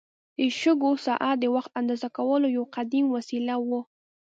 د شګو ساعت د وخت اندازه کولو یو قدیم وسیله وه.